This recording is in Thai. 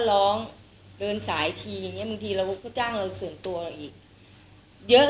ร้องเดินสายทีอย่างเงี้บางทีเราก็จ้างเราส่วนตัวเราอีกเยอะ